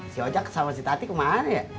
si ocak sama si tati kemana ya